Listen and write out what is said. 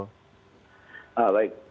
baik itu mungkin nanti dari sisi